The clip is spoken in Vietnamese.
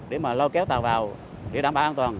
để lo kéo tàu vào để đảm bảo an toàn